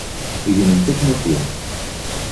Gnemt akken iqwem.